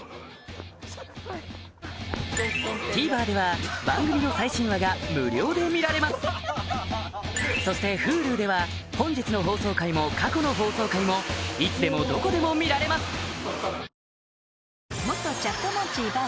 ＴＶｅｒでは番組の最新話が無料で見られますそしてＨｕｌｕでは本日の放送回も過去の放送回もいつでもどこでも見られます